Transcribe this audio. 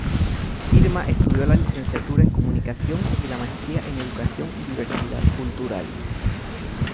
Irma estudió la licenciatura en Comunicación y la maestría en Educación y Diversidad Cultural.